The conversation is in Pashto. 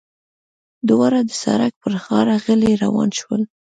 دواړه د سړک پر غاړه غلي روان شول.